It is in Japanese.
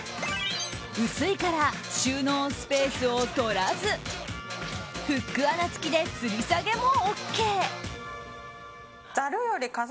薄いから収納スペースを取らずフック穴付きでつり下げもＯＫ！